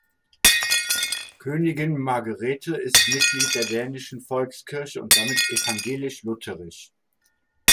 Königin Margrethe ist Mitglied der dänischen Volkskirche und damit evangelisch-lutherisch.